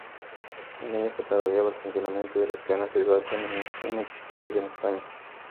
En ella se parodiaba el funcionamiento de las cadenas privadas, aún inexistentes en España.